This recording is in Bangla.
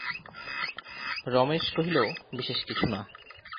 রমেশ কহিল, বিশেষ কিছু না।